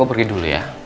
aku pergi dulu ya